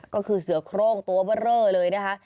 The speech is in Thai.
ก็คือเสือโครงตัวเบอร์เรอเลยนะคะ